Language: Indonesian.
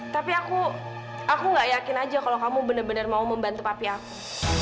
tapi aku nggak yakin aja kalau kamu bener bener mau membantu papi aku